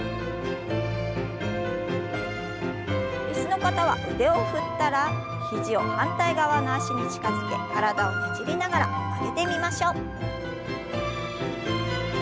椅子の方は腕を振ったら肘を反対側の脚に近づけ体をねじりながら曲げてみましょう。